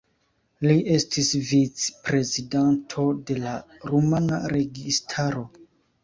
Li estis vicprezidanto de la rumana registaro.